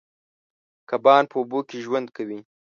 کبان په اوبو کې ژوند کوي.